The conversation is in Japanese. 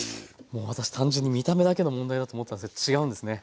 もう私単純に見た目だけの問題だと思ってたんですけど違うんですね。